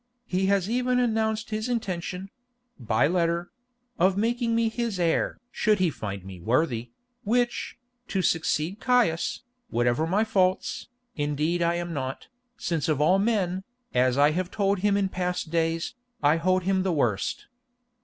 He has even announced his intention—by letter—of making me his heir 'should he find me worthy,' which, to succeed Caius, whatever my faults, indeed I am not, since of all men, as I have told him in past days, I hold him the worst.